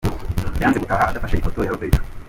Yanze gutaha adafashe ifoto ya Roberto.